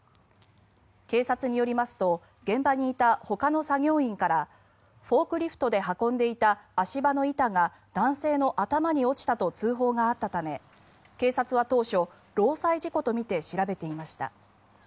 警察によりますと現場にいたほかの作業員からフォークリフトで運んでいた足場の板が男性の頭に落ちたと通報があったため警察は当初、労災事故とみて調べていました。